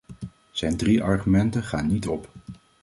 Zijn drie argumenten gaan niet op.